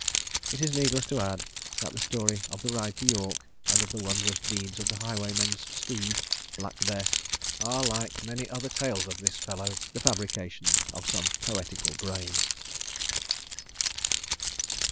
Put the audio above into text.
It is needless to add, that the story of the ride to York, and of the wondrous deeds of the highwayman's steed, "Black Bess," are, like many other tales of this fellow, the fabrications of some poetical brain.